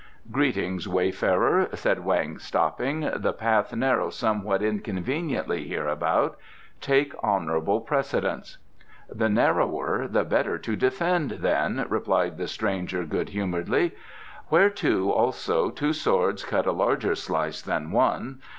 "Greetings, wayfarer," said Weng, stopping. "The path narrows somewhat inconveniently hereabout. Take honourable precedence." "The narrower the better to defend then," replied the stranger good humouredly. "Whereto, also, two swords cut a larger slice than one.